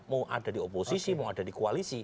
mau ada di oposisi mau ada di koalisi